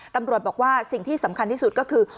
ตำรวจบอกว่าสิ่งที่สำคัญที่สุดก็คือ